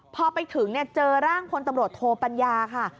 พอไปถึงเจอร่างพลตำรวจโทปัญญาค่ะ